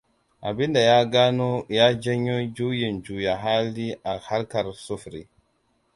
Abinda ya gano ya janyo juyin juya hali a harkar sufuri.